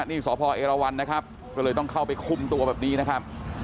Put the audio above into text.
นี่สพเอราวันนะครับก็เลยต้องเข้าไปคุมตัวแบบนี้นะครับ